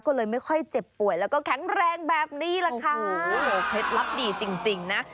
ก็เลยไม่ค่อยเจ็บป่วยแล้วก็แข็งแรงแบบนี้แหละค่ะโอ้โหเคล็ดลับดีจริงจริงนะ